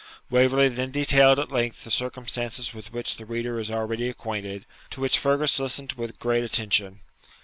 Waverley then detailed at length the circumstances with which the reader is already acquainted, to which Fergus listened with great attention.